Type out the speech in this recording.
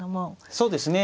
そうですね。